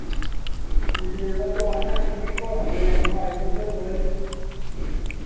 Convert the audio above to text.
Bu'n aelod o Academi Norwy am rai blynyddoedd.